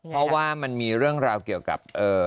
เพราะว่ามันมีเรื่องราวเกี่ยวกับ